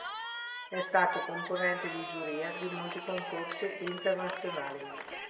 È stato componente di giuria di molti concorsi internazionali.